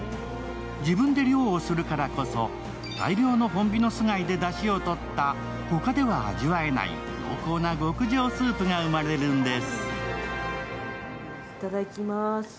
自分で漁をするからこそ、大量のホンビノス貝でだしをとった他では味わえない濃厚な極上スープが生まれるんです。